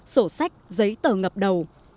sổ sách giấy tờ ngập đầu